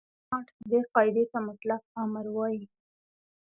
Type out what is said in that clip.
کانټ دې قاعدې ته مطلق امر وايي.